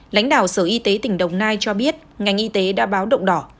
lãnh đạo sở y tế tỉnh đồng nai cho biết ngành y tế đã báo động đỏ